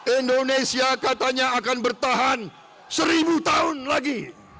indonesia katanya akan bertahan seribu tahun lagi